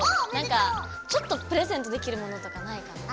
ちょっとプレゼントできるものとかないかな？